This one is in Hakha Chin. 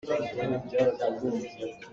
Mi na nautat hna lai lo.